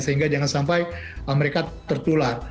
sehingga jangan sampai mereka tertular